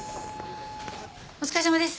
お疲れさまです。